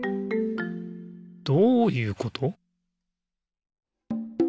どういうこと？